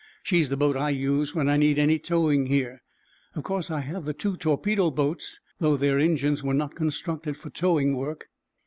She's the boat I use when I need any towing here. Of course, I have the two torpedo boats, though their engines were not constructed for towing work."